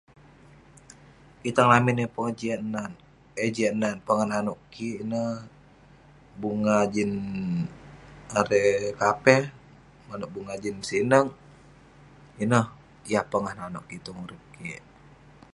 Kitang lamin yah pongah jiak nat, eh jiak nat pongah nanouk kik ineh, bunga jin erei kapeh, manouk bunga jin sineg, ineh yah pongah nanouk kik tong urip kik.